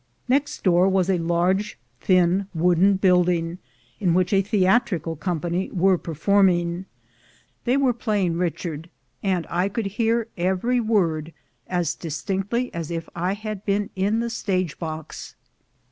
Next door was a large thin wooden building, in which a theatrical company were performing. They were playing Richard, and I could hear every word as distinctly as if I had been in the stage box.